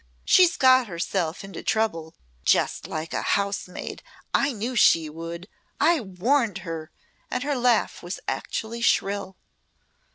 She's got herself into trouble just like a housemaid. I knew she would I warned her," and her laugh was actually shrill.